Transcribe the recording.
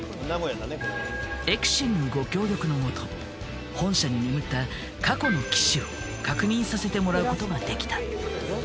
エクシングご協力のもと本社に眠ったさせてもらうことができた。